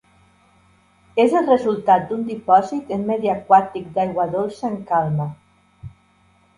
És el resultat d'un dipòsit en medi aquàtic d'aigua dolça en calma.